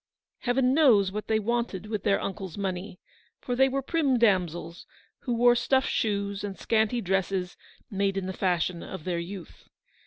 Heaven knows what they wanted with their uncle's money, for they were prim damsels, who wore stuff shoes and scanty dresses made in the fashion of their youth.